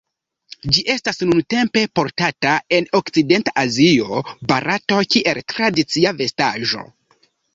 Ĝi estas nuntempe portata en okcidenta Azio, Barato, kiel tradicia vestaĵo.